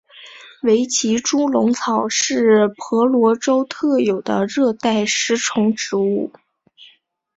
维奇猪笼草是婆罗洲特有的热带食虫植物。